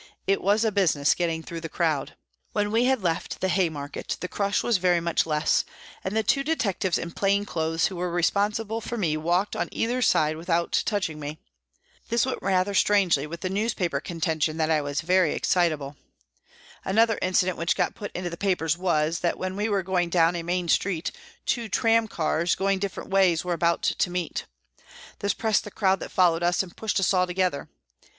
It was a business getting through the crowd. When we had left the Haymarket the crush was very much less, and the two detectives in plain clothes who were responsible for me walked on either side without touching me. This went rather strangely with the newspaper con tention that I was " very excitable." Another inci dent which got put into the papers was, that when we were going down a main street, two tramcars, going different ways, were about to meet. This pressed the crowd that followed us and pushed us all together.